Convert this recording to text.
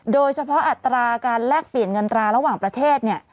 อัตราการแลกเปลี่ยนเงินตราระหว่างประเทศ